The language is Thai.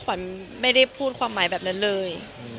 ขวัญไม่ได้พูดความหมายแบบนั้นเลย